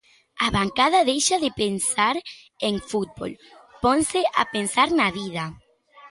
A bancada deixa de pensar en fútbol, ponse a pensar na vida.